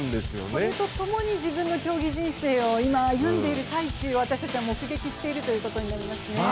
それとともに自分の競技人生を歩んでいる最中を私たちは目撃しているということになりますね。